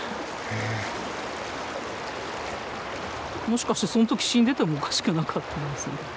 もしかしてその時死んでてもおかしくなかったですね。